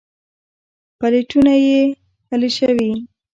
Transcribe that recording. پلېټونه يې الېشوي.